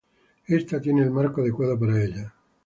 Ésta tiene el marco adecuado para ella.